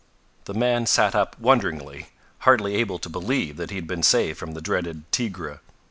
The man sat up wonderingly hardly able to believe that he had been saved from the dreaded "tigre."